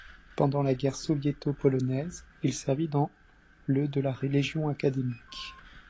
Pendant la guerre soviéto-polonaise, il servit dans le de la légion académique.